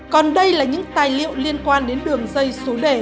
còn đây là những tài liệu liên quan đến đường dây số đề